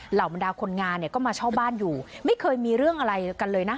เหล่าบรรดาคนงานเนี่ยก็มาเช่าบ้านอยู่ไม่เคยมีเรื่องอะไรกันเลยนะ